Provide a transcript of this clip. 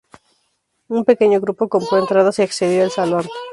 Un pequeño grupo compró entradas y accedió al salón.